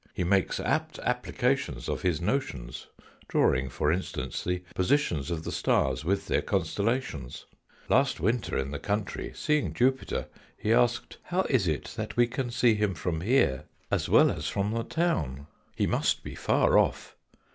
He makes apt applications of his notions, drawing for instance the positions of the stars with their constellations. Last winter in the country, seeing Jupiter he asked : is it that we can gee him from here as well as from THE SECOND CHAPTER IN THE HISTORY OF FOUR SPACE 43 the town ? He must be far off.'